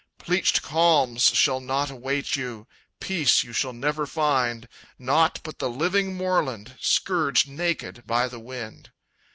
"Pleached calms shall not await you, Peace you shall never find; Nought but the living moorland Scourged naked by the wind.